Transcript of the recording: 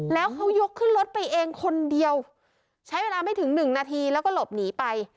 แล้วเขายกขึ้นรถไปเองคนเดียวใช้เวลาไม่ถึงหนึ่งนาทีแล้วก็หลบหนีไป